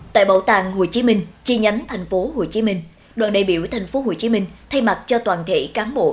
tại bảo tàng hồ chí minh chi nhánh tp hcm đoàn đại biểu tp hcm thay mặt cho toàn thể cán bộ